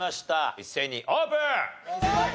一斉にオープン！